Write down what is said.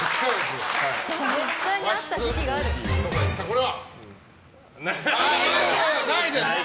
これは？×！